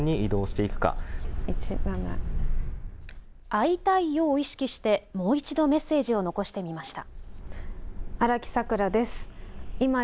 あいたいよを意識してもう一度メッセージを残してみました。